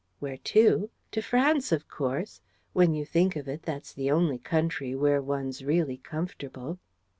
"Where to? To France, of course. When you think of it, that's the only country where one's really comfortable."